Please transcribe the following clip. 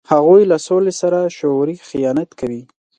هغوی له سولې سره شعوري خیانت کوي.